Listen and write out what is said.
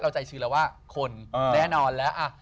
ใจชื้นแล้วว่าคนแน่นอนแล้ว